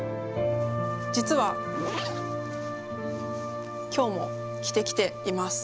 実は今日も着てきています。